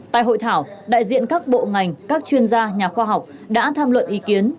tại hội thảo đại diện các bộ ngành các chuyên gia nhà khoa học đã tham luận ý kiến